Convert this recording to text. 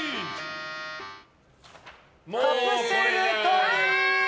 カプセルトイ！